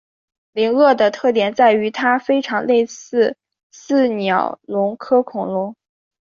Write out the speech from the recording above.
灵鳄的特点在于它非常类似似鸟龙科恐龙。